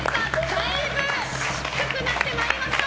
だいぶ低くなってきました。